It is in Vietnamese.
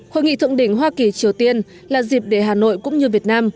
hội nghị thượng đỉnh hoa kỳ triều tiên là dịp để hà nội cũng như việt nam